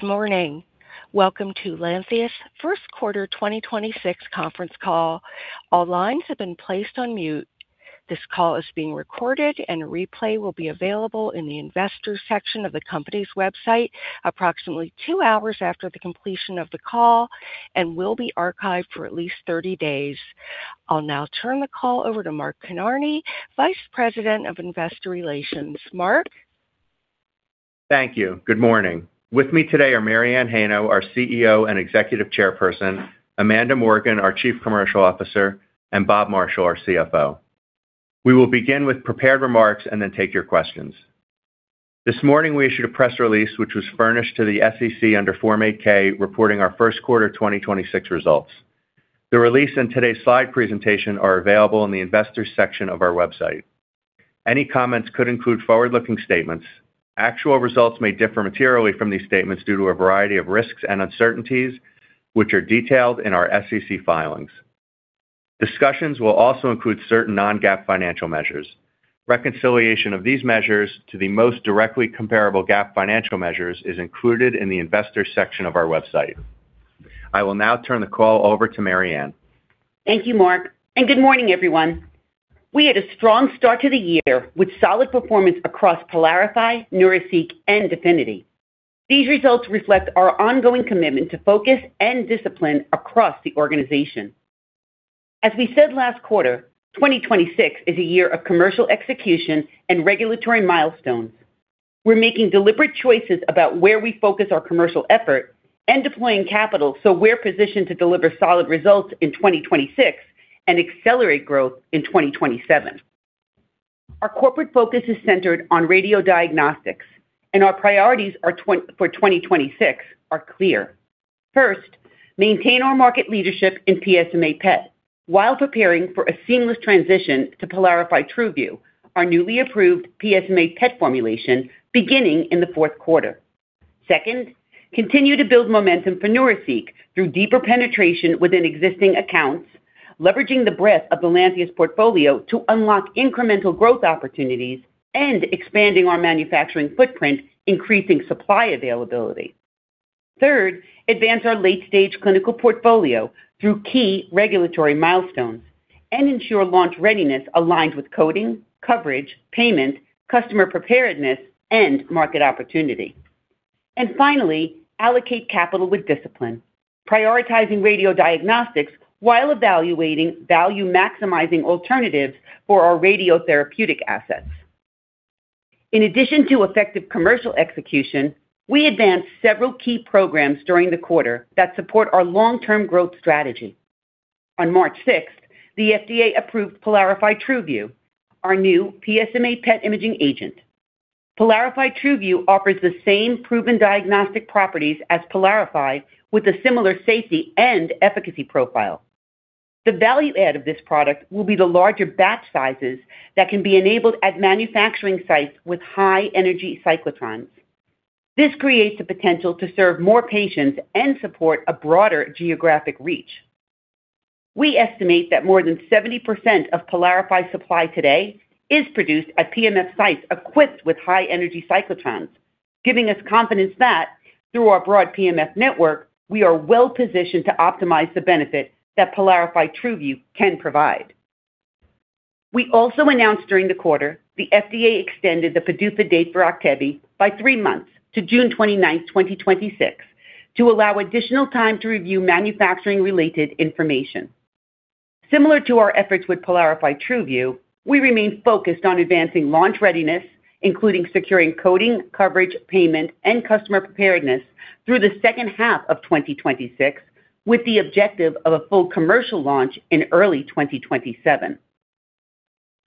Good morning. Welcome to Lantheus' Q1 2026 conference call. All lines have been placed on mute. This call is being recorded, and a replay will be available in the Investors section of the company's website approximately two hours after the completion of the call and will be archived for at least 30 days. I'll now turn the call over to Mark Kinarney, Vice President of Investor Relations. Mark? Thank you. Good morning. With me today are Mary Anne Heino, our CEO and Executive Chairperson, Amanda Morgan, our Chief Commercial Officer, and Bob Marshall, our CFO. We will begin with prepared remarks and then take your questions. This morning, we issued a press release which was furnished to the SEC under Form 8-K reporting our Q1 2026 results. The release and today's slide presentation are available in the Investors section of our website. Any comments could include forward-looking statements. Actual results may differ materially from these statements due to a variety of risks and uncertainties, which are detailed in our SEC filings. Discussions will also include certain non-GAAP financial measures. Reconciliation of these measures to the most directly comparable GAAP financial measures is included in the Investors section of our website. I will now turn the call over to Mary Anne. Thank you, Mark, and good morning, everyone. We had a strong start to the year with solid performance across PYLARIFY, Neuraceq®, and DEFINITY. These results reflect our ongoing commitment to focus and discipline across the organization. As we said last quarter, 2026 is a year of commercial execution and regulatory milestones. We're making deliberate choices about where we focus our commercial effort and deploying capital so we're positioned to deliver solid results in 2026 and accelerate growth in 2027. Our corporate focus is centered on radiodiagnostics, and our priorities for 2026 are clear. First, maintain our market leadership in PSMA PET while preparing for a seamless transition to PYLARIFY TruVu, our newly approved PSMA PET formulation beginning in the Q4. Second, continue to build momentum for Neuraceq® through deeper penetration within existing accounts, leveraging the breadth of the Lantheus portfolio to unlock incremental growth opportunities, and expanding our manufacturing footprint, increasing supply availability. Third, advance our late-stage clinical portfolio through key regulatory milestones and ensure launch readiness aligns with coding, coverage, payment, customer preparedness, and market opportunity. Finally, allocate capital with discipline, prioritizing radio diagnostics while evaluating value-maximizing alternatives for our radiotherapeutic assets. In addition to effective commercial execution, we advanced several key programs during the quarter that support our long-term growth strategy. On March 6, the FDA approved PYLARIFY TruVu, our new PSMA PET imaging agent. PYLARIFY TruVu offers the same proven diagnostic properties as PYLARIFY with a similar safety and efficacy profile. The value add of this product will be the larger batch sizes that can be enabled at manufacturing sites with high-energy cyclotrons. This creates the potential to serve more patients and support a broader geographic reach. We estimate that more than 70% of PYLARIFY supply today is produced at PMF sites equipped with high-energy cyclotrons, giving us confidence that through our broad PMF network, we are well-positioned to optimize the benefit that PYLARIFY TruVu can provide. We also announced during the quarter the FDA extended the PDUFA date for Actevi by three months to June 29, 2026, to allow additional time to review manufacturing-related information. Similar to our efforts with PYLARIFY TruVu, we remain focused on advancing launch readiness, including securing coding, coverage, payment, and customer preparedness through the H2 of 2026, with the objective of a full commercial launch in early 2027.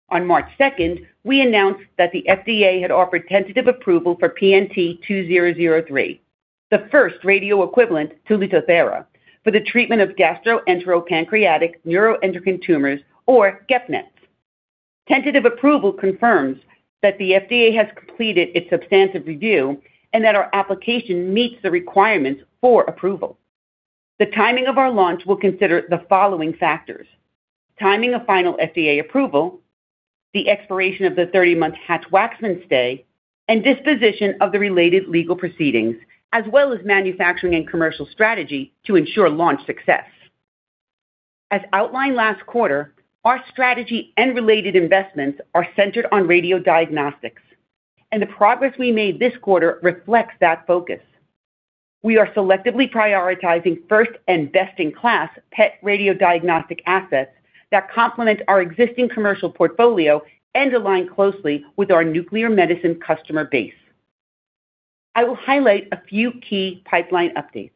On March 2nd we announced that the FDA had offered tentative approval for PNT2003, the first radio equivalent to LUTATHERA for the treatment of gastroenteropancreatic neuroendocrine tumors or GEP-NETs. Tentative approval confirms that the FDA has completed its substantive review and that our application meets the requirements for approval. The timing of our launch will consider the following factors: Timing of final FDA approval, the expiration of the 30-month Hatch-Waxman stay, and disposition of the related legal proceedings, as well as manufacturing and commercial strategy to ensure launch success. As outlined last quarter, our strategy and related investments are centered on radio diagnostics, and the progress we made this quarter reflects that focus. We are selectively prioritizing first and best-in-class PET radio diagnostic assets that complement our existing commercial portfolio and align closely with our nuclear medicine customer base. I will highlight a few key pipeline updates.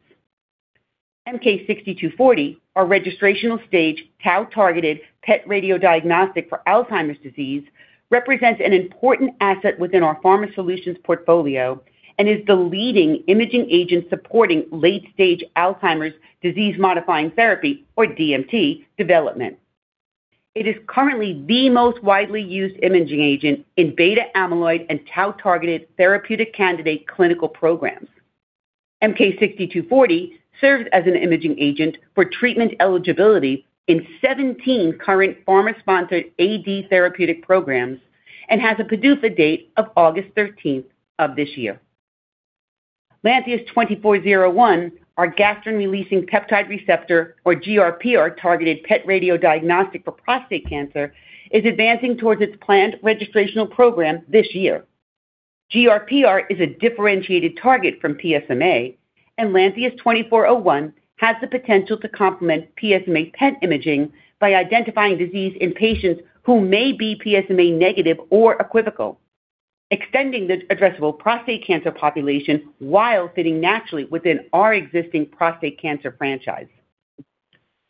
MK-6240, our registrational-stage tau-targeted PET radiodiagnostic for Alzheimer's disease, represents an important asset within our Pharma Solutions portfolio and is the leading imaging agent supporting late-stage Alzheimer's disease-modifying therapy or DMT development. It is currently the most widely used imaging agent in beta-amyloid and tau-targeted therapeutic candidate clinical programs. MK-6240 serves as an imaging agent for treatment eligibility in 17 current pharma-sponsored AD therapeutic programs. It has a PDUFA date of August 13th of this year. Lantheus-2401, our gastrin-releasing peptide receptor, or GRPR, targeted PET radiodiagnostic for prostate cancer, is advancing towards its planned registrational program this year. GRPR is a differentiated target from PSMA, and Lantheus-2401 has the potential to complement PSMA PET imaging by identifying disease in patients who may be PSMA negative or equivocal, extending the addressable prostate cancer population while fitting naturally within our existing prostate cancer franchise.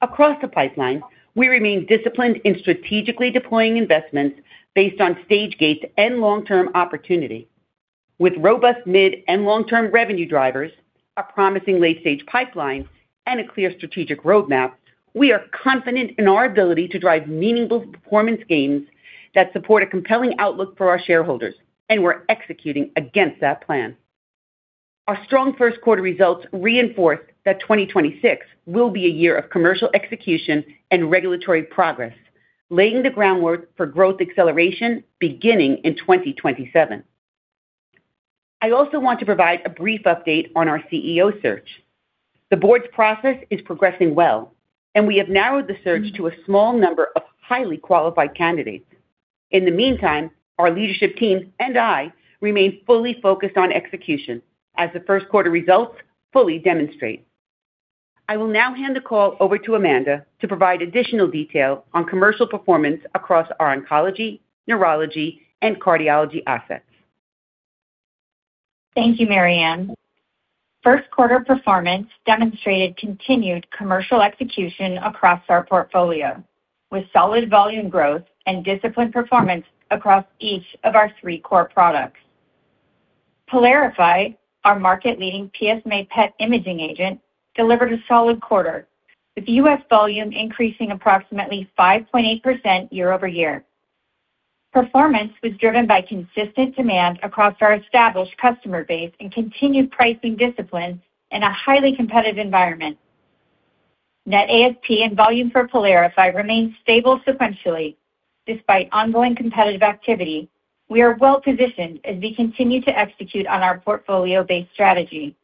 Across the pipeline, we remain disciplined in strategically deploying investments based on stage gates and long-term opportunity. With robust mid and long-term revenue drivers, a promising late-stage pipeline, and a clear strategic roadmap, we are confident in our ability to drive meaningful performance gains that support a compelling outlook for our shareholders, and we're executing against that plan. Our strong Q1 results reinforce that 2026 will be a year of commercial execution and regulatory progress, laying the groundwork for growth acceleration beginning in 2027. I also want to provide a brief update on our CEO search. The board's process is progressing well, and we have narrowed the search to a small number of highly qualified candidates. In the meantime, our leadership team and I remain fully focused on execution as the Q1 results fully demonstrate. I will now hand the call over to Amanda to provide additional detail on commercial performance across our oncology, neurology, and cardiology assets. Thank you, Mary Anne. Q1 performance demonstrated continued commercial execution across our portfolio, with solid volume growth and disciplined performance across each of our three core products. PYLARIFY, our market-leading PSMA PET imaging agent, delivered a solid quarter, with U.S. volume increasing approximately 5.8% year-over-year. Performance was driven by consistent demand across our established customer base and continued pricing discipline in a highly competitive environment. Net ASP and volume for PYLARIFY remained stable sequentially despite ongoing competitive activity. We are well-positioned as we continue to execute on our portfolio-based strategy.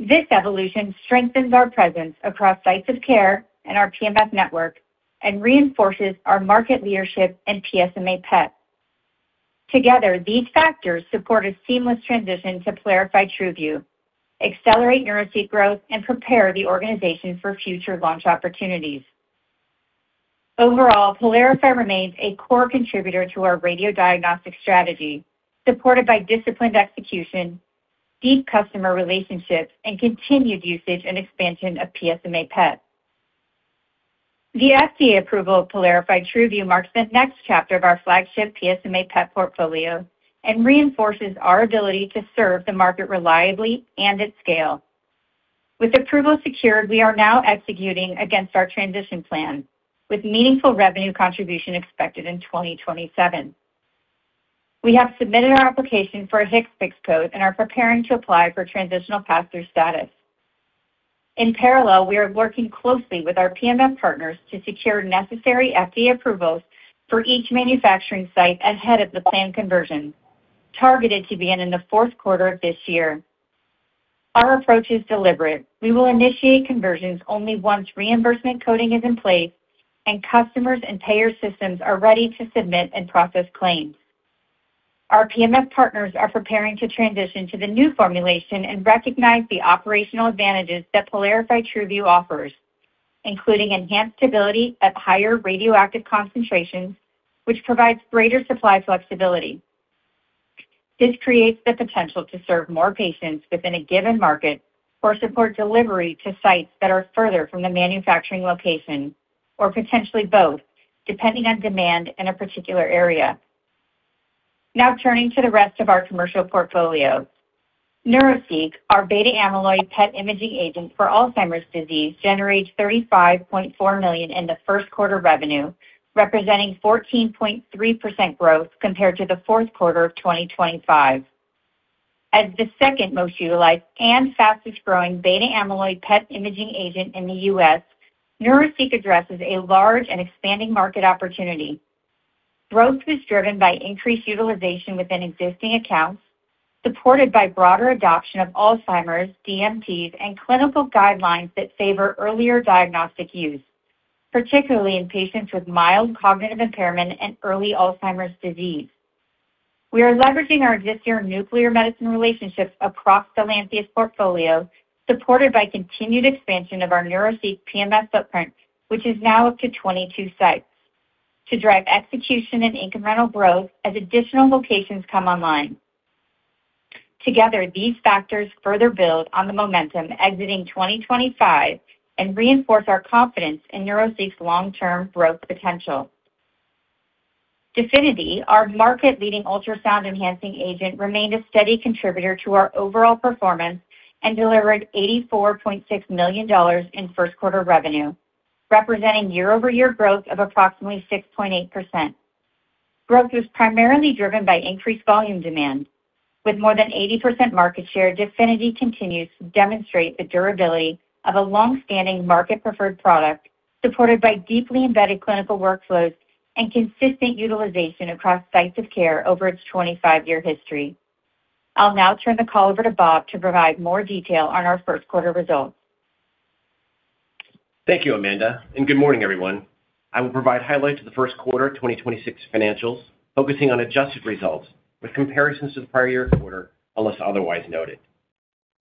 This evolution strengthens our presence across sites of care and our PMF network and reinforces our market leadership in PSMA PET. Together, these factors support a seamless transition to PYLARIFY TruVu, accelerate Neuraceq® growth, and prepare the organization for future launch opportunities. Overall, PYLARIFY remains a core contributor to our radiodiagnostic strategy, supported by disciplined execution, deep customer relationships, and continued usage and expansion of PSMA PET. The FDA approval of PYLARIFY TruVu marks the next chapter of our flagship PSMA PET portfolio and reinforces our ability to serve the market reliably and at scale. With approval secured, we are now executing against our transition plan, with meaningful revenue contribution expected in 2027. We have submitted our application for a HCPCS code and are preparing to apply for transitional pass-through status. In parallel, we are working closely with our PMF partners to secure necessary FDA approvals for each manufacturing site ahead of the planned conversion, targeted to begin in the Q4 of this year. Our approach is deliberate. We will initiate conversions only once reimbursement coding is in place and customers and payer systems are ready to submit and process claims. Our PMF partners are preparing to transition to the new formulation and recognize the operational advantages that PYLARIFY TruVu offers, including enhanced stability at higher radioactive concentrations, which provides greater supply flexibility. This creates the potential to serve more patients within a given market or support delivery to sites that are further from the manufacturing location, or potentially both, depending on demand in a particular area. Now turning to the rest of our commercial portfolio. Neuraceq®, our beta amyloid PET imaging agent for Alzheimer's disease, generated $35.4 million in the Q1 revenue, representing 14.3% growth compared to the Q4 of 2025. As the second most utilized and fastest-growing beta amyloid PET imaging agent in the U.S., Neuraceq® addresses a large and expanding market opportunity. Growth was driven by increased utilization within existing accounts, supported by broader adoption of Alzheimer's, DMTs, and clinical guidelines that favor earlier diagnostic use, particularly in patients with mild cognitive impairment and early Alzheimer's disease. We are leveraging our existing nuclear medicine relationships across the Lantheus portfolio, supported by continued expansion of our Neuraceq® PMF footprint, which is now up to 22 sites, to drive execution and incremental growth as additional locations come online. Together, these factors further build on the momentum exiting 2025 and reinforce our confidence in Neuraceq®'s long-term growth potential. DEFINITY®, our market-leading ultrasound enhancing agent, remained a steady contributor to our overall performance and delivered $84.6 million in Q1 revenue, representing year-over-year growth of approximately 6.8%. Growth was primarily driven by increased volume demand. With more than 80% market share, DEFINITY® continues to demonstrate the durability of a long-standing market preferred product supported by deeply embedded clinical workflows and consistent utilization across sites of care over its 25-year history. I'll now turn the call over to Bob to provide more detail on our Q1 results. Thank you, Amanda, and good morning everyone. I will provide highlights of the Q1 2026 financials, focusing on adjusted results with comparisons to the prior year quarter, unless otherwise noted.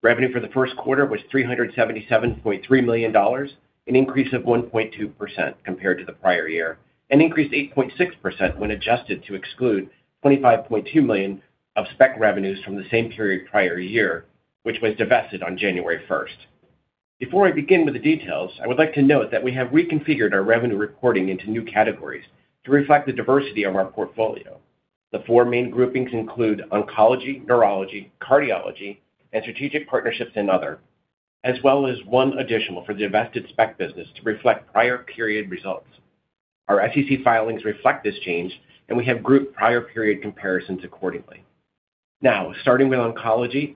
Revenue for the Q1 was $377.3 million, an increase of 1.2% compared to the prior year, and increased 8.6% when adjusted to exclude $25.2 million of SPECT revenues from the same period prior year, which was divested on January 1st. Before I begin with the details, I would like to note that we have reconfigured our revenue reporting into new categories to reflect the diversity of our portfolio. The four main groupings include oncology, neurology, cardiology, and strategic partnerships and other, as well as one additional for the divested SPECT business to reflect prior period results. Our SEC filings reflect this change, and we have grouped prior period comparisons accordingly. Now, starting with oncology,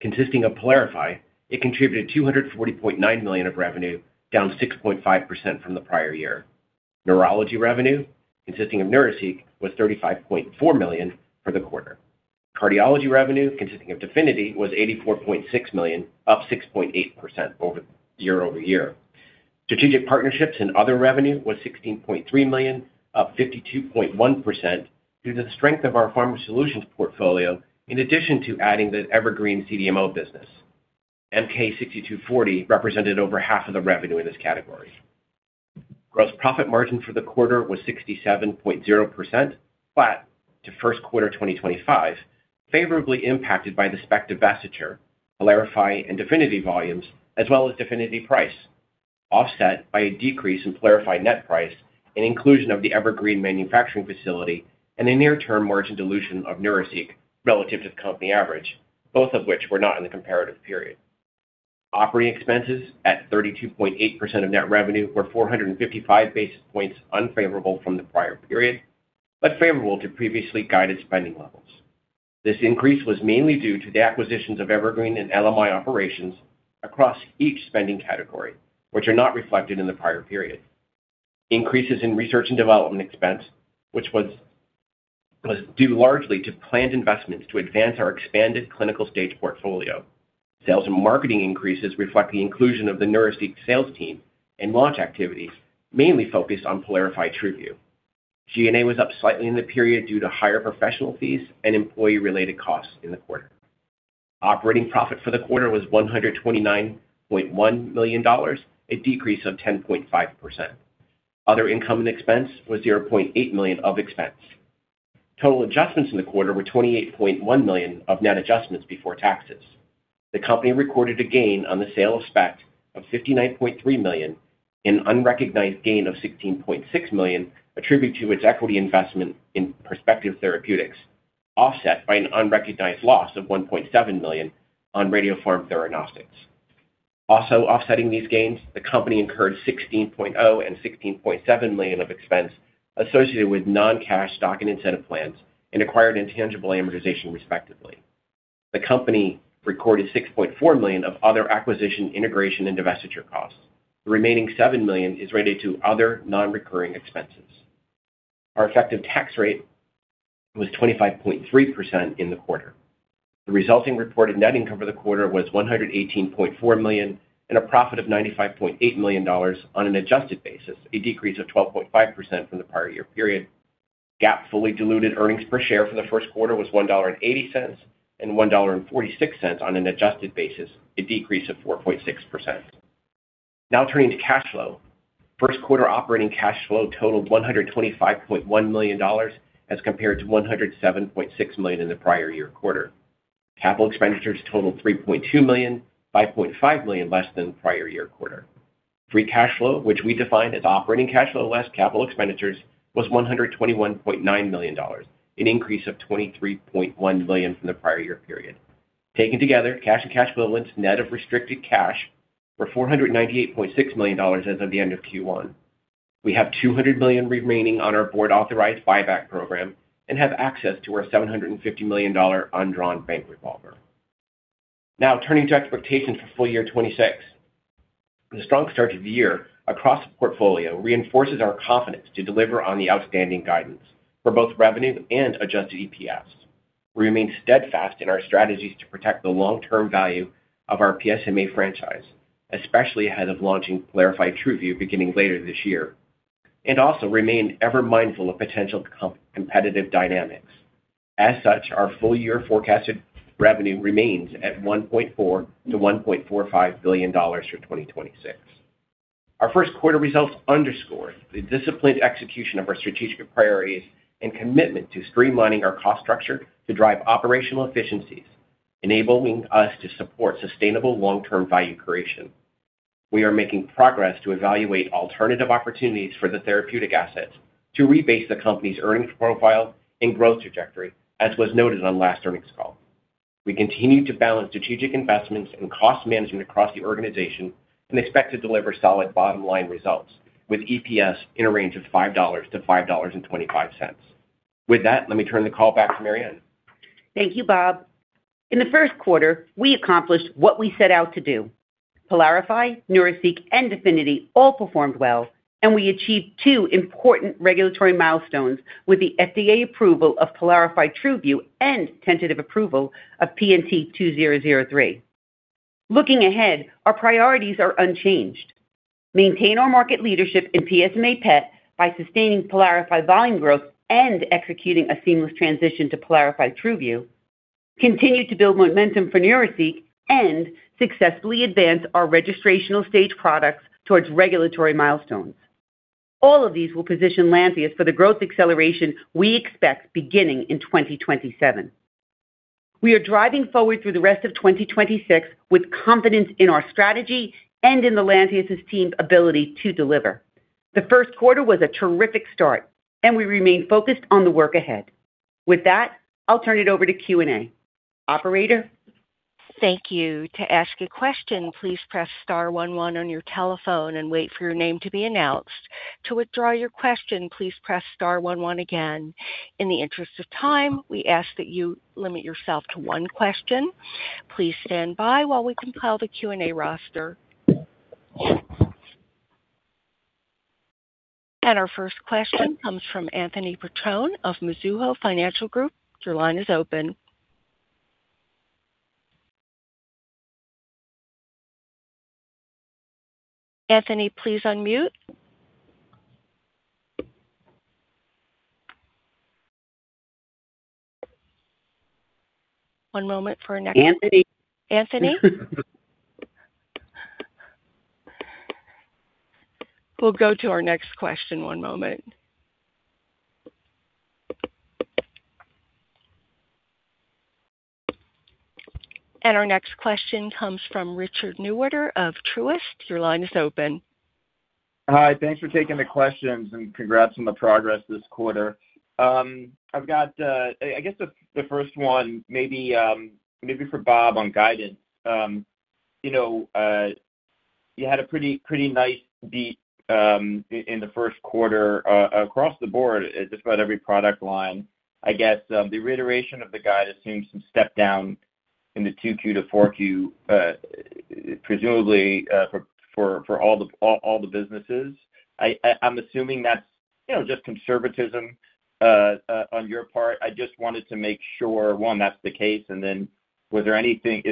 consisting of PYLARIFY, it contributed $240.9 million of revenue, down 6.5% from the prior year. Neurology revenue, consisting of Neuraceq®, was $35.4 million for the quarter. Cardiology revenue, consisting of DEFINITY, was $84.6 million, up 6.8% year-over-year. Strategic partnerships and other revenue was $16.3 million, up 52.1% due to the strength of our Pharma Solutions portfolio in addition to adding the Evergreen CDMO business. MK-6240 represented over half of the revenue in this category. Gross profit margin for the quarter was 67.0%, flat to Q1 2025, favorably impacted by the SPECT divestiture, PYLARIFY and DEFINITY® volumes, as well as DEFINITY® price, offset by a decrease in PYLARIFY net price and inclusion of the Evergreen manufacturing facility and a near-term margin dilution of Neuraceq® relative to company average, both of which were not in the comparative period. Operating expenses at 32.8% of net revenue were 455 basis points unfavorable from the prior period, favorable to previously guided spending levels. This increase was mainly due to the acquisitions of Evergreen and LMI operations across each spending category, which are not reflected in the prior period. Increases in research and development expense, which was due largely to planned investments to advance our expanded clinical stage portfolio. Sales and marketing increases reflect the inclusion of the Neuraceq® sales team and launch activities, mainly focused on PYLARIFY TruVu. G&A was up slightly in the period due to higher professional fees and employee-related costs in the quarter. Operating profit for the quarter was $129.1 million, a decrease of 10.5%. Other income and expense was $0.8 million of expense. Total adjustments in the quarter were $28.1 million of net adjustments before taxes. The company recorded a gain on the sale of SPECT of $59.3 million, an unrecognized gain of $16.6 million attributed to its equity investment in Perspective Therapeutics, offset by an unrecognized loss of $1.7 million on Radiopharm Theranostics. Also offsetting these gains, the company incurred $16.0 million and $16.7 million of expense associated with non-cash stock and incentive plans and acquired intangible amortization, respectively. The company recorded $6.4 million of other acquisition integration and divestiture costs. The remaining $7 million is related to other non-recurring expenses. Our effective tax rate was 25.3% in the quarter. The resulting reported net income for the quarter was $118.4 million and a profit of $95.8 million on an adjusted basis, a decrease of 12.5% from the prior year period. GAAP fully diluted earnings per share for the Q1 was $1.80 and $1.46 on an adjusted basis, a decrease of 4.6%. Turning to cash flow. Q1 operating cash flow totaled $125.1 million as compared to $107.6 million in the prior year quarter. Capital expenditures totaled $3.2 million, $5.5 million less than prior year quarter. Free cash flow, which we define as operating cash flow less capital expenditures, was $121.9 million, an increase of $23.1 million from the prior year period. Taken together, cash and cash equivalents, net of restricted cash, were $498.6 million as of the end of Q1. We have $200 million remaining on our board-authorized buyback program and have access to our $750 million undrawn bank revolver. Now turning to expectations for full year 2026. The strong start to the year across the portfolio reinforces our confidence to deliver on the outstanding guidance for both revenue and adjusted EPS. We remain steadfast in our strategies to protect the long-term value of our PSMA franchise, especially ahead of launching PYLARIFY TruVu beginning later this year, and also remain ever mindful of potential competitive dynamics. Our full year forecasted revenue remains at $1.4 billion-$1.45 billion for 2026. Our Q1 results underscore the disciplined execution of our strategic priorities and commitment to streamlining our cost structure to drive operational efficiencies, enabling us to support sustainable long-term value creation. We are making progress to evaluate alternative opportunities for the therapeutic assets to rebase the company's earnings profile and growth trajectory, as was noted on last earnings call. We continue to balance strategic investments and cost management across the organization and expect to deliver solid bottom-line results with EPS in a range of $5-$5.25. With that, let me turn the call back to Mary Anne. Thank you, Bob. In the Q1, we accomplished what we set out to do. PYLARIFY, Neuraceq®, and DEFINITY all performed well, and we achieved two important regulatory milestones with the FDA approval of PYLARIFY TruVu and tentative approval of PNT2003. Looking ahead, our priorities are unchanged. Maintain our market leadership in PSMA PET by sustaining PYLARIFY volume growth and executing a seamless transition to PYLARIFY TruVu. Continue to build momentum for Neuraceq® and successfully advance our registrational stage products towards regulatory milestones. All of these will position Lantheus for the growth acceleration we expect beginning in 2027. We are driving forward through the rest of 2026 with confidence in our strategy and in the Lantheus' team ability to deliver. The Q1 was a terrific start, and we remain focused on the work ahead. With that, I'll turn it over to Q&A. Operator? Thank you. To ask a question, please press star one one on your telephone and wait for your name to be announced. To withdraw your question, please press star one one again. In the interest of time, we ask that you limit yourself to one question. Please stand by while we compile the Q&A roster. Our first question comes from Anthony Petrone of Mizuho Financial Group. Your line is open. Anthony, please unmute. One moment for our next. Anthony. Anthony? We'll go to our next question. One moment. Our next question comes from Richard Newitter of Truist. Your line is open. Hi. Thanks for taking the questions, and congrats on the progress this quarter. I've got, I guess the first one maybe for Bob on guidance. You know, you had a pretty nice beat in the Q1 across the board at just about every product line. I guess the reiteration of the guidance seems to step down into Q2 to 4Q, presumably for all the businesses. I'm assuming that's, you know, just conservatism on your part. I just wanted to make sure, one, that's the case, and then is there anything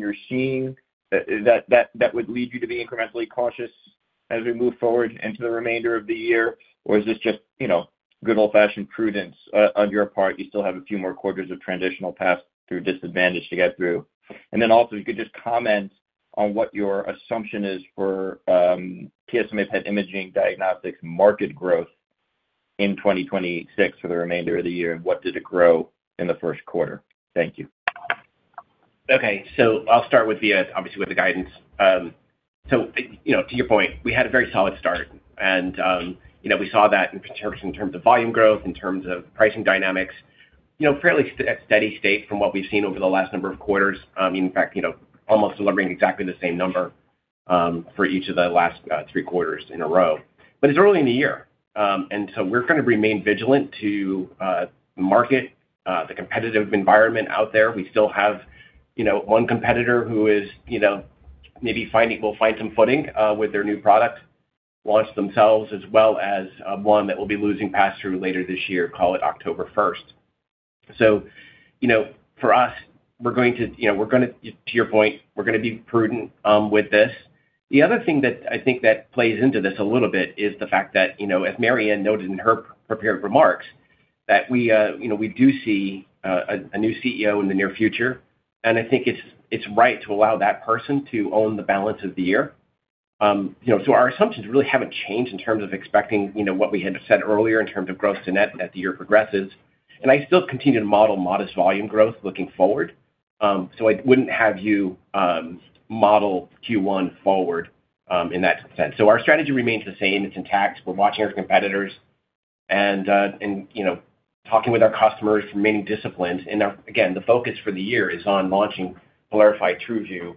you're seeing that would lead you to be incrementally cautious as we move forward into the remainder of the year, or is this just, you know, good old-fashioned prudence on your part? You still have a few more quarters of transitional pass-through disadvantage to get through. If you could just comment on what your assumption is for PSMA PET imaging diagnostics market growth in 2026 for the remainder of the year, and what did it grow in the Q1. Thank you. I'll start with the, obviously, with the guidance. You know, to your point, we had a very solid start, and, you know, we saw that in terms of volume growth, in terms of pricing dynamics. You know, fairly steady state from what we've seen over the last number of quarters. In fact, you know, almost delivering exactly the same number for each of the last three quarters in a row. It's early in the year, we're gonna remain vigilant to the market, the competitive environment out there. We still have, you know, one competitor who is, you know, maybe will find some footing with their new product launch themselves, as well as one that will be losing pass-through later this year, call it October 1st. You know, for us, we're going to, you know, we're gonna, to your point, we're gonna be prudent with this. The other thing that I think that plays into this a little bit is the fact that, you know, as Mary Anne noted in her prepared remarks, that we, you know, we do see a new CEO in the near future, and I think it's right to allow that person to own the balance of the year. You know, our assumptions really haven't changed in terms of expecting, you know, what we had said earlier in terms of growth to net as the year progresses, and I still continue to model modest volume growth looking forward, so I wouldn't have you model Q1 forward in that sense. Our strategy remains the same. It's intact. We're watching our competitors and, you know, talking with our customers from many disciplines. Again, the focus for the year is on launching PYLARIFY TruVu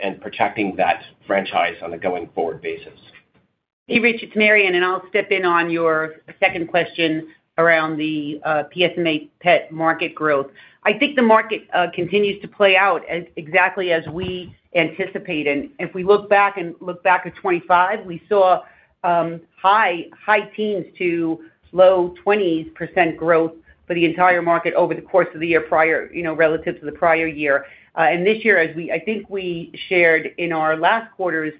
and protecting that franchise on a going-forward basis. Hey, Rich, it's Mary Anne, and I'll step in on your second question around the PSMA PET market growth. I think the market continues to play out exactly as we anticipated. If we look back at 2025, we saw high teens to low 20s% growth for the entire market over the course of the year prior, you know, relative to the prior year. This year, as I think we shared in our last quarter's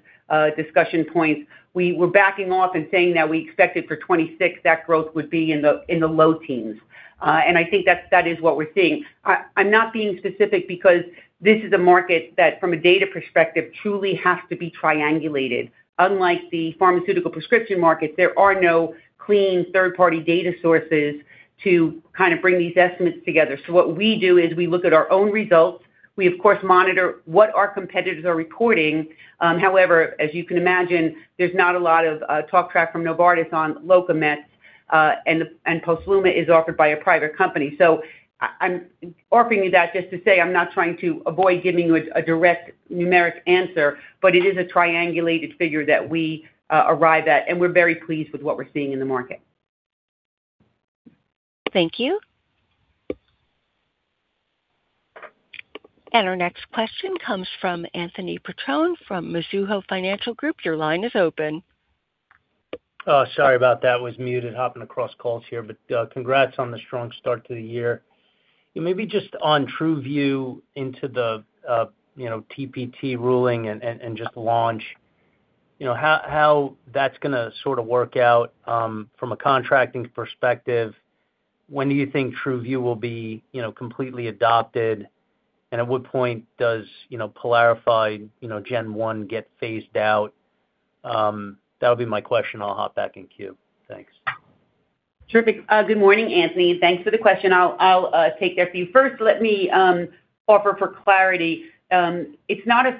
discussion points, we were backing off and saying that we expected for 2026, that growth would be in the low teens, and I think that is what we're seeing. I'm not being specific because this is a market that, from a data perspective, truly has to be triangulated. Unlike the pharmaceutical prescription market, there are no clean third-party data sources to kind of bring these estimates together, so what we do is we look at our own results. We, of course, monitor what our competitors are reporting. However, as you can imagine, there's not a lot of talk track from Novartis on LOCAMETZ®, and POSLUMA is offered by a private company. I'm offering you that just to say I'm not trying to avoid giving you a direct numeric answer, but it is a triangulated figure that we arrive at, and we're very pleased with what we're seeing in the market. Thank you. Our next question comes from Anthony Petrone from Mizuho Financial Group. Your line is open. Oh, sorry about that, was muted, hopping across calls here. Congrats on the strong start to the year. Maybe just on TruVu into the, you know, TPT ruling and just launch. You know, how that's gonna sorta work out from a contracting perspective. When do you think TruVu will be, you know, completely adopted, and at what point does, you know, PYLARIFY, you know, gen 1 get phased out? That'll be my question. I'll hop back in queue. Thanks. Terrific. Good morning, Anthony, thanks for the question. I'll take that for you. First, let me offer for clarity. PYLARIFY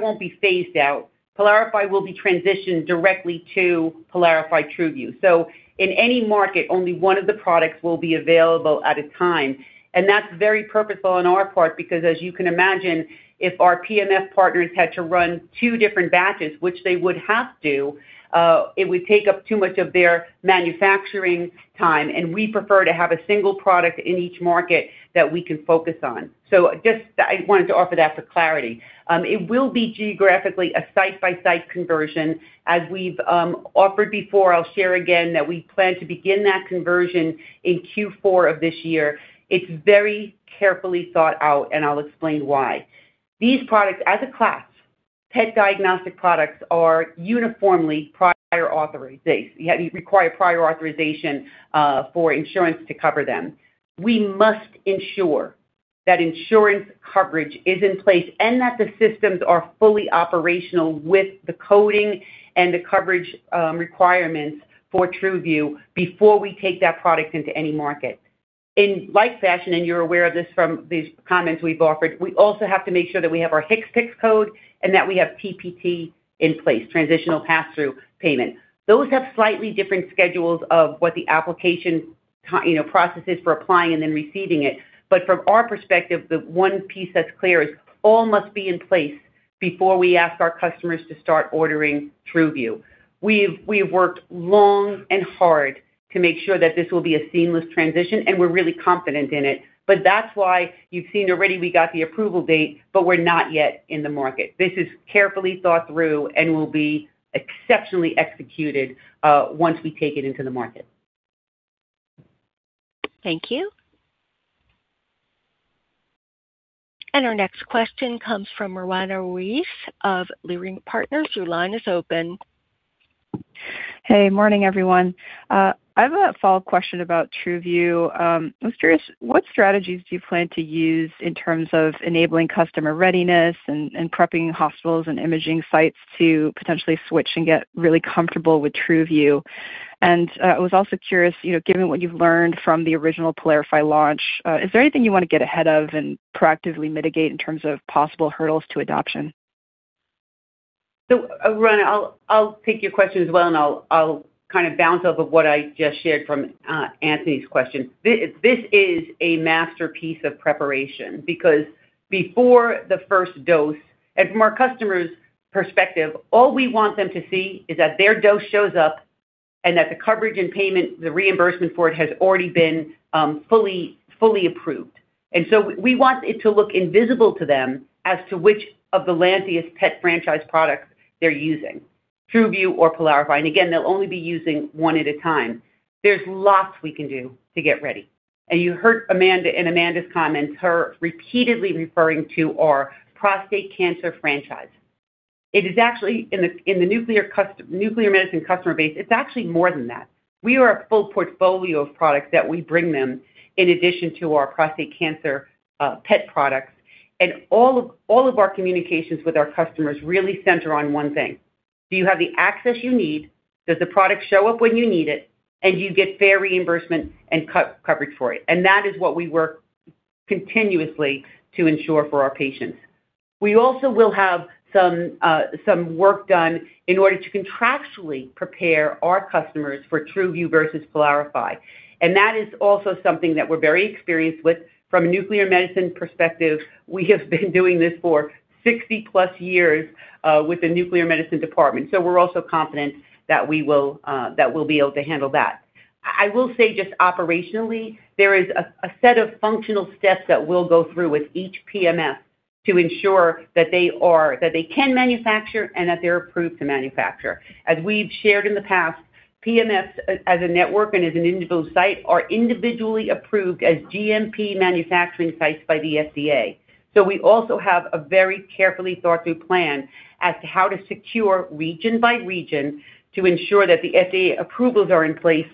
won't be phased out. PYLARIFY will be transitioned directly to PYLARIFY TruVu, so in any market, only one of the products will be available at a time, and that's very purposeful on our part because as you can imagine, if our PMS partners had to run two different batches, which they would have to, it would take up too much of their manufacturing time, and we prefer to have a single product in each market that we can focus on. I wanted to offer that for clarity. It will be geographically a site-by-site conversion. As we've offered before, I'll share again that we plan to begin that conversion in Q4 of this year. It's very carefully thought out, and I'll explain why. These products, as a class, PET diagnostic products are uniformly prior authorization. You require prior authorization for insurance to cover them. We must ensure that insurance coverage is in place and that the systems are fully operational with the coding and the coverage requirements for TruVu before we take that product into any market. In like fashion, and you're aware of this from these comments we've offered, we also have to make sure that we have our HCPCS code and that we have TPT in place, transitional pass-through payment. Those have slightly different schedules of what the application, you know, processes for applying and then receiving it, but from our perspective, the one piece that's clear is all must be in place before we ask our customers to start ordering TruVu. We've worked long and hard to make sure that this will be a seamless transition, and we're really confident in it. That's why you've seen already we got the approval date, but we're not yet in the market. This is carefully thought through and will be exceptionally executed once we take it into the market. Thank you. Our next question comes from Roanna Ruiz of Leerink Partners. Your line is open. Hey. Morning, everyone. I have a follow-up question about TruVu. I was curious, what strategies do you plan to use in terms of enabling customer readiness and prepping hospitals and imaging sites to potentially switch and get really comfortable with TruVu? I was also curious, you know, given what you've learned from the original PYLARIFY launch, is there anything you wanna get ahead of and proactively mitigate in terms of possible hurdles to adoption? Roanna, I'll take your question as well, and I'll kinda bounce off of what I just shared from Anthony's question. This is a masterpiece of preparation because before the first dose, and from our customer's perspective, all we want them to see is that their dose shows up and that the coverage and payment, the reimbursement for it had already been fully approved. We want it to look invisible to them as to which of the Lantheus PET franchise products they're using, TruVu or PYLARIFY, and again, they'll only be using one at a time, so there's lots we can do to get ready. You heard Amanda in Amanda's comments, her repeatedly referring to our prostate cancer franchise. It is actually in the nuclear medicine customer base, it's actually more than that. We are a full portfolio of products that we bring them in addition to our prostate cancer, PET products, and all of our communications with our customers really center on one thing. Do you have the access you need? Does the product show up when you need it? Do you get fair reimbursement and coverage for it? That is what we work continuously to ensure for our patients. We also will have some work done in order to contractually prepare our customers for TruVu versus PYLARIFY, and that is also something that we're very experienced with. From a nuclear medicine perspective, we have been doing this for 60+ years, with the nuclear medicine department, so we're also confident that we will, that we'll be able to handle that. I will say just operationally, there is a set of functional steps that we'll go through with each PMS to ensure that they can manufacture and that they're approved to manufacture. As we've shared in the past, PMS, as a network and as an individual site, are individually approved as GMP manufacturing sites by the FDA, so we also have a very carefully thought-through plan as to how to secure region by region to ensure that the FDA approvals are in place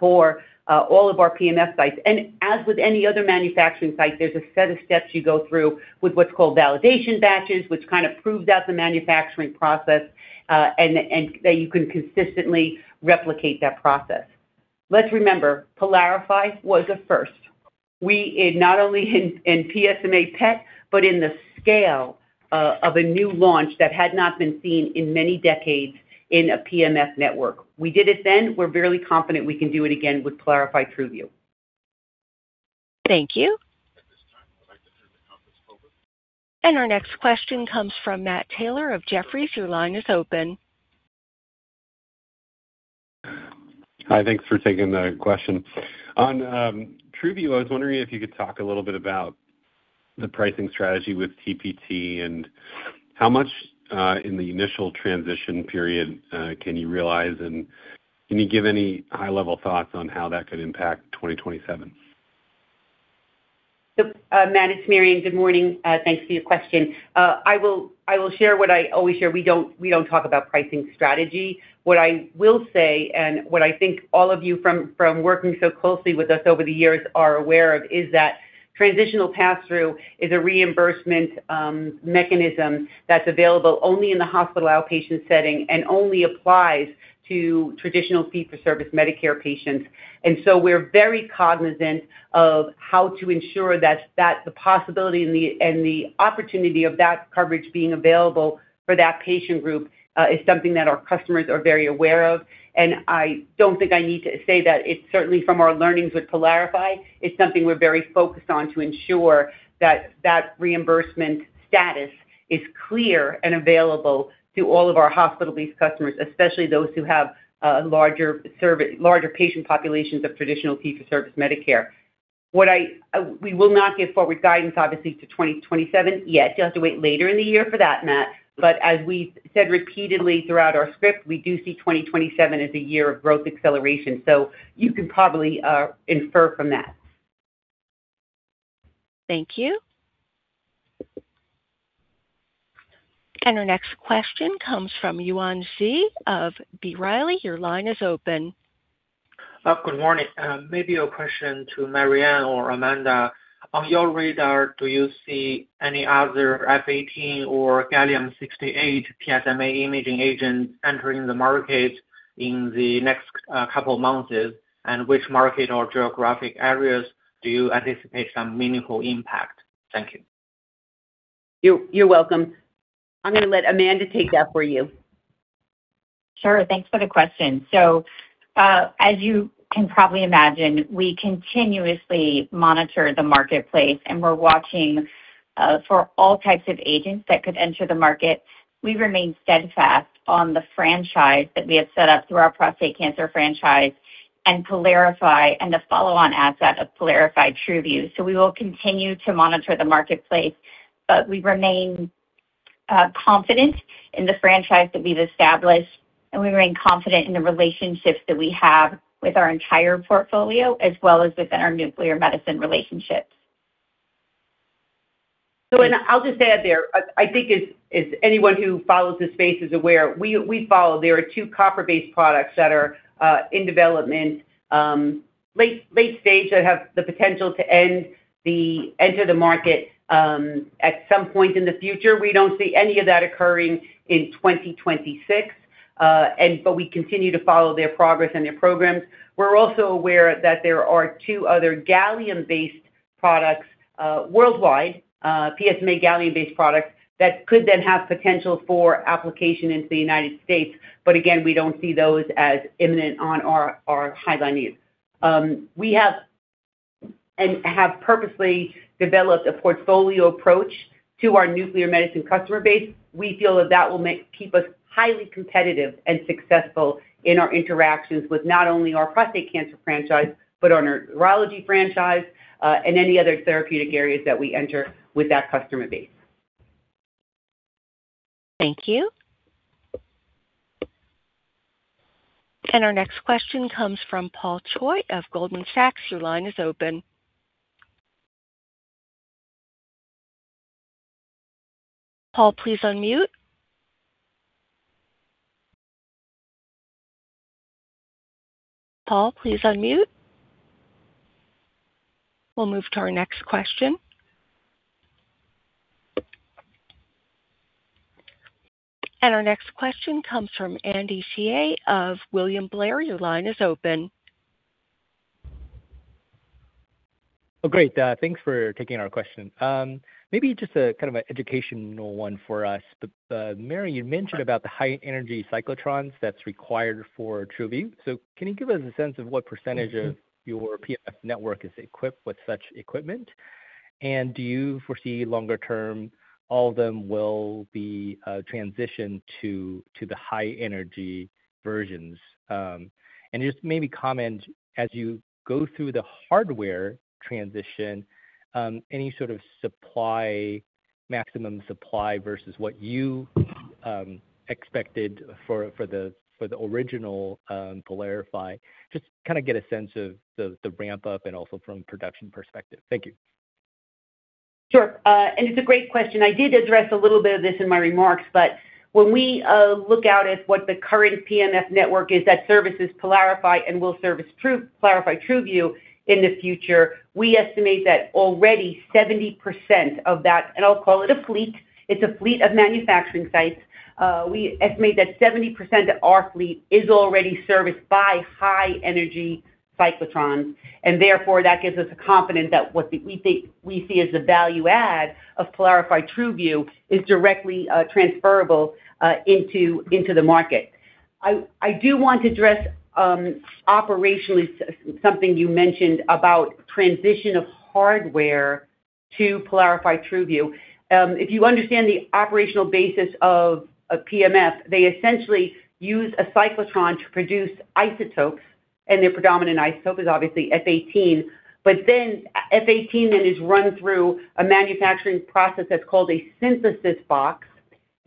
for all of our PMS sites, and as with any other manufacturing site, there's a set of steps you go through with what's called validation batches, which kinda proves out the manufacturing process and that you can consistently replicate that process. Let's remember, PYLARIFY was a first. Not only in PSMA PET, but in the scale of a new launch that had not been seen in many decades in a PMF network. We did it then. We are very confident we can do it again with PYLARIFY TruVu. Thank you. Our next question comes from Matt Taylor of Jefferies. Your line is open. Hi. Thanks for taking the question. On TruVu, I was wondering if you could talk a little bit about the pricing strategy with TPT and how much in the initial transition period can you realize, and can you give any high-level thoughts on how that could impact 2027? Matt, it's Mary Anne. Good morning. Thanks for your question. I will share what I always share. We don't talk about pricing strategy. What I will say and what I think all of you from working so closely with us over the years are aware of is that Transitional Pass-Through is a reimbursement mechanism that's available only in the hospital outpatient setting and only applies to traditional fee-for-service Medicare patients, and we're very cognizant of how to ensure that the possibility and the opportunity of that coverage being available for that patient group is something that our customers are very aware of, and I don't think I need to say that it's certainly from our learnings with PYLARIFY. It's something we're very focused on to ensure that that reimbursement status is clear and available to all of our hospital-based customers, especially those who have larger patient populations of traditional fee-for-service Medicare. We will not give forward guidance obviously to 2027 yet. You'll have to wait later in the year for that, Matt. As we've said repeatedly throughout our script, we do see 2027 as a year of growth acceleration, so you can probably infer from that. Thank you. Our next question comes from Yuan Xie of B. Riley. Your line is open. Good morning. Maybe a question to Mary Anne or Amanda. On your radar, do you see any other F-18 or gallium-68 PSMA imaging agent entering the market in the next couple months, and which market or geographic areas do you anticipate some meaningful impact? Thank you. You're welcome. I'm gonna let Amanda take that for you. Sure. Thanks for the question. As you can probably imagine, we continuously monitor the marketplace, and we're watching for all types of agents that could enter the market. We remain steadfast on the franchise that we have set up through our prostate cancer franchise and PYLARIFY and the follow-on asset of PYLARIFY TruVu, so we will continue to monitor the marketplace, but we remain confident in the franchise that we've established, and we remain confident in the relationships that we have with our entire portfolio as well as within our nuclear medicine relationships. I'll just add there. I think as anyone who follows this space is aware, we follow. There are two copper-based products that are in development, late stage that have the potential to enter the market at some point in the future. We don't see any of that occurring in 2026, but we continue to follow their progress and their programs. We're also aware that there are two other gallium-based products worldwide, PSMA gallium-based products that could have potential for application into the United States, but again, we don't see those as imminent on our high line use. We have and have purposely developed a portfolio approach to our nuclear medicine customer base. We feel that that will keep us highly competitive and successful in our interactions with not only our prostate cancer franchise but on our urology franchise, and any other therapeutic areas that we enter with that customer base. Thank you. Our next question comes from Paul Choi of Goldman Sachs. Paul, please unmute. Paul, please unmute. `Our next question comes from Andy Hsieh of William Blair. Oh, great. Thanks for taking our question. Maybe just a kind of an educational one for us. Mary, you mentioned about the high-energy cyclotrons that's required for TruVu, so can you give us a sense of what percentage of your PF network is equipped with such equipment, and do you foresee longer term, all of them will be transitioned to the high-energy versions? Just maybe comment as you go through the hardware transition, any sort of supply, maximum supply versus what you expected for the original PYLARIFY? Just kind of get a sense of the ramp-up and also from production perspective. Thank you. Sure. It's a great question. I did address a little bit of this in my remarks, but when we look out at what the current PMF network is that services PYLARIFY and will service PYLARIFY TruVu in the future, we estimate that already 70% of that, and I'll call it a fleet, it's a fleet of manufacturing sites. We estimate that 70% of our fleet is already serviced by high energy cyclotrons, and therefore that gives us the confidence that what we see as the value add of PYLARIFY TruVu is directly transferable into the market. I do want to address operationally something you mentioned about transition of hardware to PYLARIFY TruVu. If you understand the operational basis of a PMF, they essentially use a cyclotron to produce isotopes, and their predominant isotope is obviously F-18. F-18 then is run through a manufacturing process that's called a synthesis box,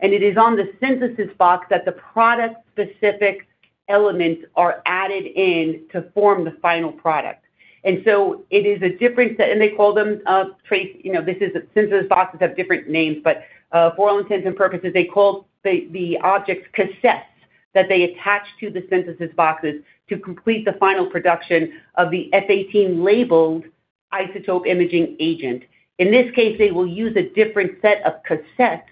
and it is on the synthesis box that the product-specific elements are added in to form the final product, and it is a different set, and they call them, trace you know, synthesis boxes have different names, but for all intents and purposes, they call the objects cassettes that they attach to the synthesis boxes to complete the final production of the F-18 labeled isotope imaging agent. In this case, they will use a different set of cassettes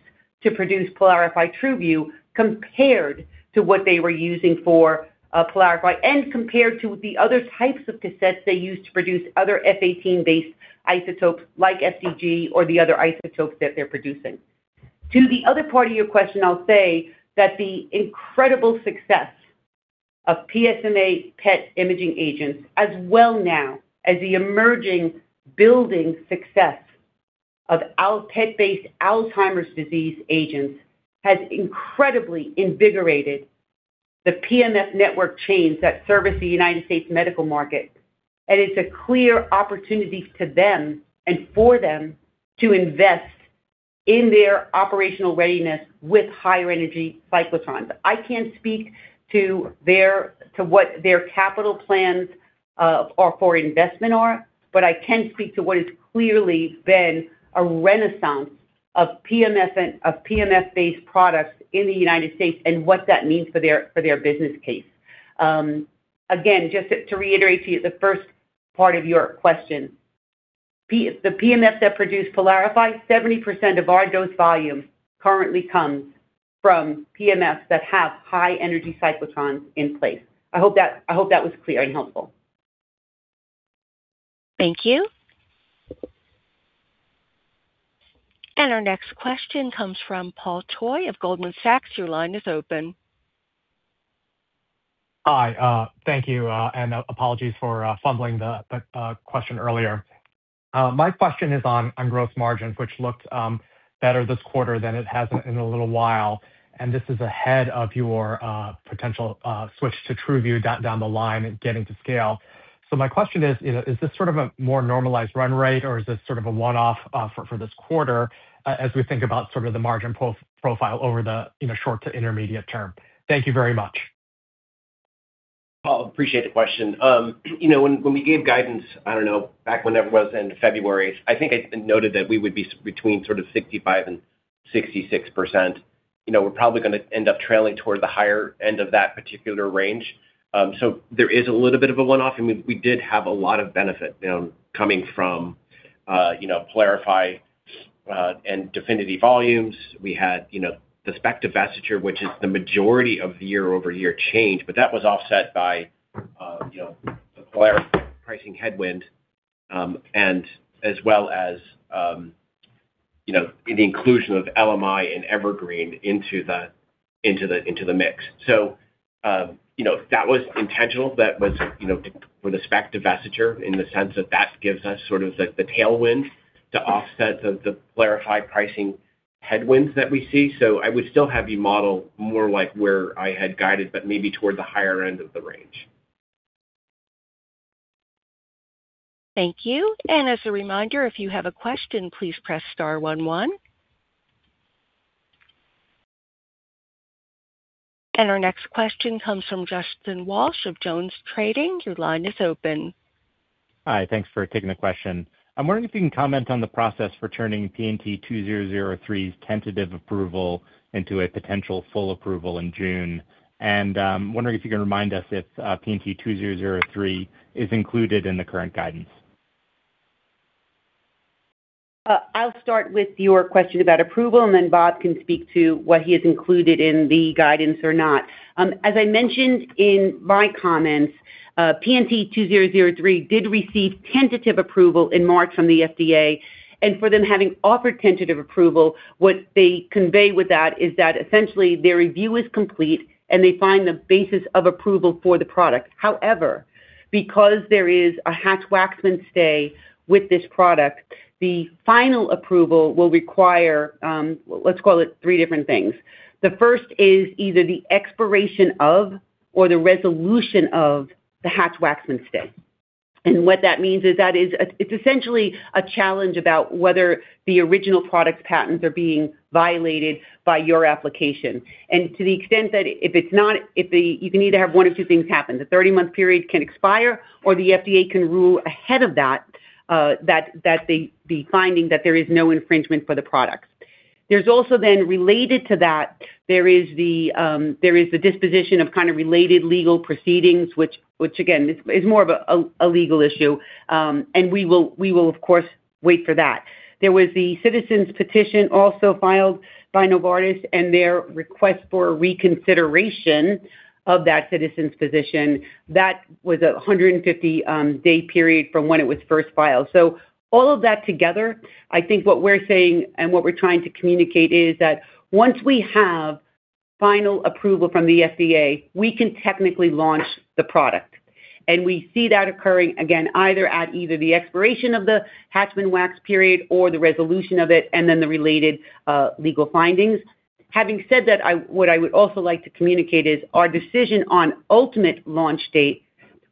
to produce PYLARIFY TruVu compared to what they were using for PYLARIFY and compared to the other types of cassettes they use to produce other F-18-based isotopes like FDG or the other isotopes that they're producing. To the other part of your question, I'll say that the incredible success of PSMA PET imaging agents as well now as the emerging building success of PET-based Alzheimer's disease agents has incredibly invigorated the PMF network chains that service the United States medical market, and it's a clear opportunity to them and for them to invest in their operational readiness with higher energy cyclotrons. I can't speak to what their capital plans or for investment are, but I can speak to what has clearly been a renaissance of PMF-based products in the United States and what that means for their, for their business case. Again, just to reiterate to you the first part of your question. The PMFs that produce PYLARIFY, 70% of our dose volume currently comes from PMFs that have high-energy cyclotrons in place. I hope that was clear and helpful. Thank you. Our next question comes from Paul Choi of Goldman Sachs. Your line is open. Hi, thank you, and apologies for fumbling the question earlier. My question is on gross margins, which looked better this quarter than it has in a little while, and this is ahead of your potential switch to TruVu down the line and getting to scale, so my question is, you know, is this sort of a more normalized run rate, or is this sort of a one-off for this quarter, as we think about sort of the margin profile over the short to intermediate term? Thank you very much. Paul, appreciate the question. You know, when we gave guidance, I don't know, back whenever it was, end of February, I think it's been noted that we would be between sort of 65% and 66%. You know, we're probably gonna end up trailing toward the higher end of that particular range. There is a little bit of a one-off, and we did have a lot of benefit, you know, coming from, you know, PYLARIFY and DEFINITY® volumes. We had, you know, the SPECT divestiture, which is the majority of the year-over-year change, but that was offset by, you know, the PYLARIFY pricing headwind, and as well as, you know, the inclusion of LMI and Evergreen into the mix. You know, that was intentional. That was, you know, for the SPECT divestiture in the sense that that gives us sort of the tailwind to offset the PYLARIFY pricing headwinds that we see, so I would still have you model more like where I had guided, but maybe toward the higher end of the range. Thank you. As a reminder, if you have a question, please press star one one. Our next question comes from Justin Walsh of Jones Trading. Your line is open. Hi. Thanks for taking the question. I'm wondering if you can comment on the process for turning PNT2003's tentative approval into a potential full approval in June, and wondering if you can remind us if PNT2003 is included in the current guidance. I'll start with your question about approval, then Bob can speak to what he has included in the guidance or not. As I mentioned in my comments, PNT2003 did receive tentative approval in March from the FDA, and for them having offered tentative approval, what they convey with that is that essentially their review is complete, and they find the basis of approval for the product. However, because there is a Hatch-Waxman stay with this product, the final approval will require, let's call it three different things. The first is either the expiration of or the resolution of the Hatch-Waxman stay, and what that means is it's essentially a challenge about whether the original product's patents are being violated by your application to the extent that if it's not, you can either have one of two things happen. The 30-month period can expire, or the FDA can rule ahead of that the finding that there is no infringement for the product. There's also then related to that, there is the disposition of kind of related legal proceedings, which again is more of a legal issue, and we will of course, wait for that. There was the citizens petition also filed by Novartis and their request for reconsideration of that citizens petition. That was a 150-day period from when it was first filed. All of that together, I think what we're saying and what we're trying to communicate is that once we have final approval from the FDA, we can technically launch the product. We see that occurring again, either at the expiration of the Hatch-Waxman period or the resolution of it, and then the related legal findings. Having said that, what I would also like to communicate is our decision on ultimate launch date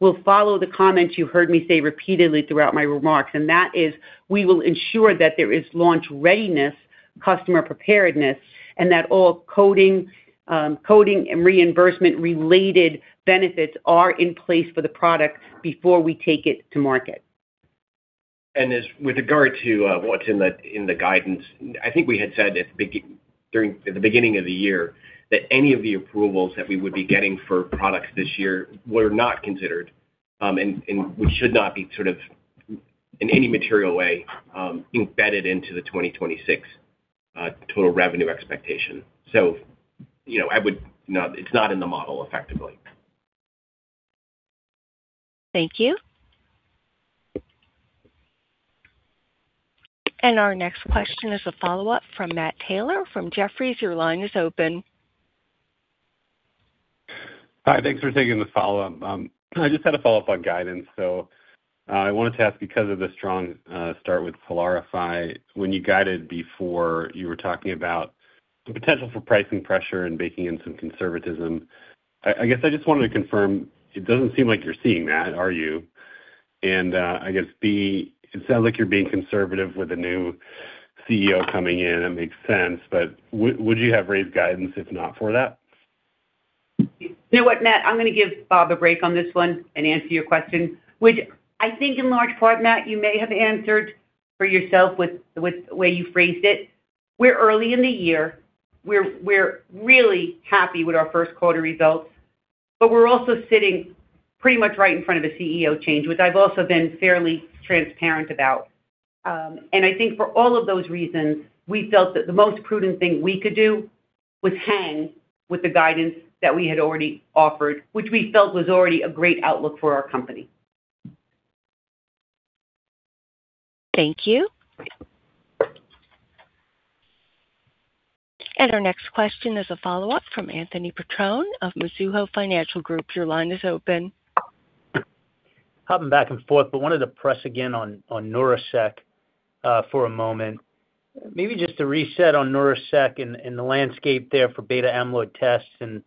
will follow the comments you heard me say repeatedly throughout my remarks, and that is, we will ensure that there is launch readiness, customer preparedness, and that all coding and reimbursement-related benefits are in place for the product before we take it to market. As with regard to what's in the guidance, I think we had said during the beginning of the year that any of the approvals that we would be getting for products this year were not considered, and we should not be sort of in any material way embedded into the 2026 total revenue expectation, so you know, I would not. It's not in the model, effectively. Thank you. Our next question is a follow-up from Matt Taylor from Jefferies. Your line is open. Hi. Thanks for taking the follow-up. I just had a follow-up on guidance. I wanted to ask, because of the strong start with PYLARIFY, when you guided before, you were talking about the potential for pricing pressure and baking in some conservatism. I guess I just wanted to confirm, it doesn't seem like you're seeing that, are you? I guess B, it sounds like you're being conservative with a new CEO coming in, and that makes sense, but would you have raised guidance if not for that? You know what, Matt? I'm going to give Bob a break on this one and answer your question. Which I think in large part, Matt, you may have answered for yourself with the way you phrased it. We're early in the year, we're really happy with our Q1 results, but we're also sitting pretty much right in front of a CEO change, which I've also been fairly transparent about, and I think for all of those reasons, we felt that the most prudent thing we could do was hang with the guidance that we had already offered, which we felt was already a great outlook for our company. Thank you. Our next question is a follow-up fro,m Anthony Petrone of Mizuho Financial Group. Your line is open. Hopping back and forth, wanted to press again on Neuraceq® for a moment. Maybe just to reset on Neuraceq® and the landscape there for beta amyloid tests and,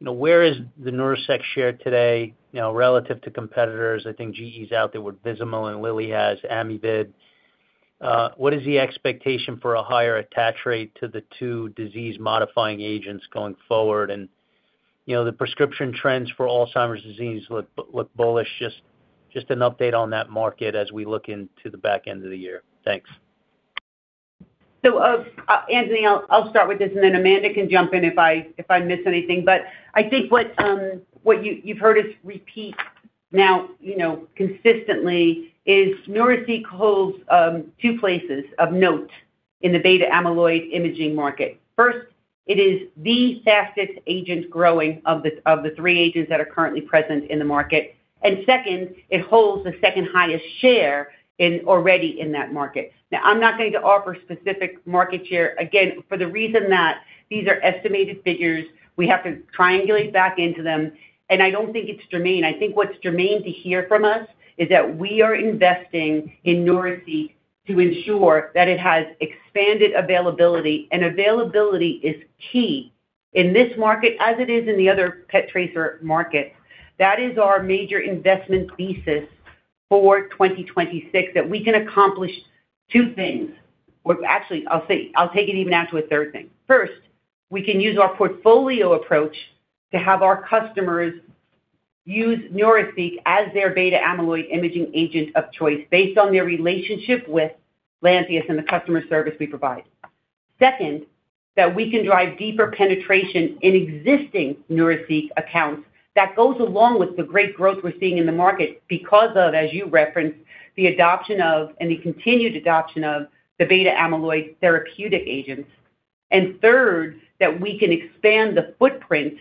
you know, where is the Neuraceq® share today, you know, relative to competitors? I think GE's out there with Vizamyl and Lilly has Amyvid. What is the expectation for a higher attach rate to the two disease-modifying agents going forward? You know, the prescription trends for Alzheimer's disease look bullish. Just an update on that market as we look into the back end of the year. Thanks. Anthony, I'll start with this, and then Amanda can jump in if I miss anything. I think what you've heard us repeat now, you know, consistently is Neuraceq® holds two places of note in the beta amyloid imaging market. First, it is the fastest agent growing of the three agents that are currently present in the market, and second, it holds the second-highest share already in that market. I'm not going to offer specific market share, again, for the reason that these are estimated figures. We have to triangulate back into them, and I don't think it's germane. I think what's germane to hear from us is that we are investing in Neuraceq® to ensure that it has expanded availability, and availability is key in this market as it is in the other PET tracer markets. That is our major investment thesis for 2026, that we can accomplish two things. Well, actually, I'll take it even out to a 3rd thing. First, we can use our portfolio approach to have our customers use Neuraceq® as their beta-amyloid imaging agent of choice based on their relationship with Lantheus and the customer service we provide. Second, that we can drive deeper penetration in existing Neuraceq® accounts. That goes along with the great growth we're seeing in the market because of, as you referenced, the adoption of and the continued adoption of the beta-amyloid therapeutic agents, and third, that we can expand the footprint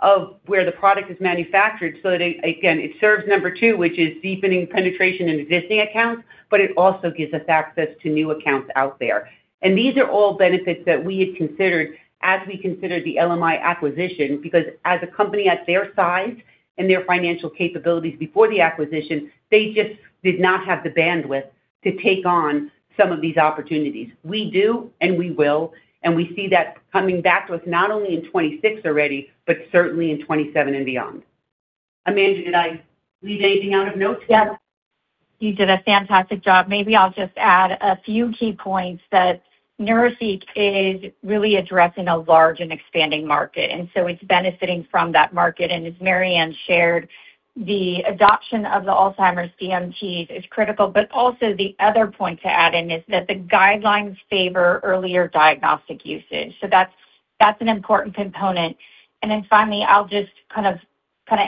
of where the product is manufactured so that, again, it serves number two, which is deepening penetration in existing accounts, but it also gives us access to new accounts out there. These are all benefits that we had considered as we considered the LMI acquisition, because as a company at their size and their financial capabilities before the acquisition, they just did not have the bandwidth to take on some of these opportunities. We do, and we will, and we see that coming back to us not only in 2026 already, but certainly in 2027 and beyond. Amanda, did I leave anything out of note? Yes. You did a fantastic job. Maybe I'll just add a few key points that Neuraceq® is really addressing a large and expanding market, and so it's benefiting from that market. As Mary Anne shared, the adoption of the Alzheimer's DMTs is critical, but also, the other point to add in is that the guidelines favor earlier diagnostic usage. That's an important component. Then finally, I'll just kind of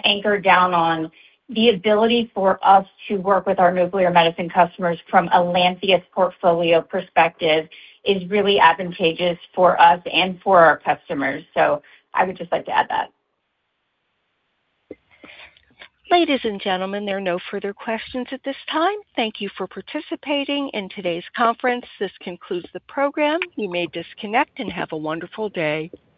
anchor down on the ability for us to work with our nuclear medicine customers from a Lantheus portfolio perspective is really advantageous for us and for our customers, soI would just like to add that. Ladies and gentlemen, there are no further questions at this time. Thank you for participating in today's conference. This concludes the program. You may disconnect and have a wonderful day.